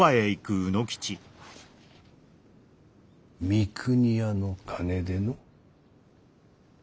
三国屋の金での。